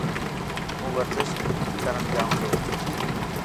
هون ورزش ڪرڻ جائون تو.